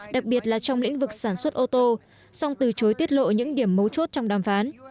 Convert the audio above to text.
đặc biệt là trong lĩnh vực sản xuất ô tô song từ chối tiết lộ những điểm mấu chốt trong đàm phán